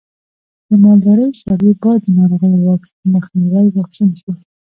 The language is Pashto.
د مالدارۍ څاروی باید د ناروغیو مخنیوي واکسین شي.